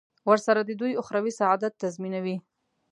ورسره د دوی اخروي سعادت تضمینوي.